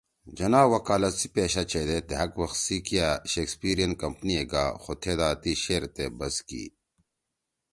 جناح وکالت سی پیشہ چھیدے دھأک وخ سی کیا شکسپیرین کمپنی ئے گا خُو تھیدا تی شیرتے بَس کی